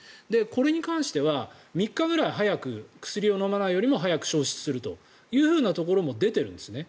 これに関しては３日ぐらい薬を飲まないよりも早く消失するというところが出ているんですね。